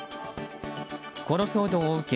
この騒動を受け